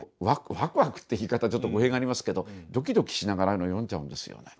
ワクワクって言い方ちょっと語弊がありますけどドキドキしながらああいうの読んじゃうんですよね。